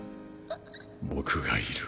僕がいる。